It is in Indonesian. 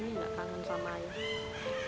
kami tidak kangen sama ayah